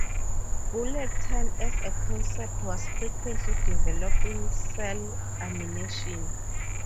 Bullet-time as a concept was frequently developed in cel animation.